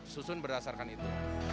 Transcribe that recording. susun berdasarkan itu